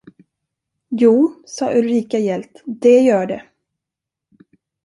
Jo, sade Ulrika gällt, det gör det.